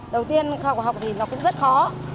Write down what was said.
đầu tiên học học thì nó cũng rất khó